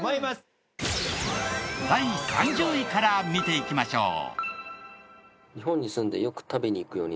第３０位から見ていきましょう。